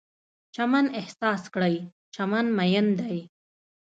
چمن احساس کړئ، چمن میین دی